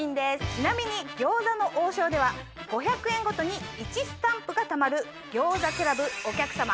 ちなみに餃子の王将では５００円ごとに１スタンプがたまる。